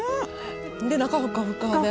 で中ふかふかで。